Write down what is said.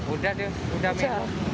udah deh udah menang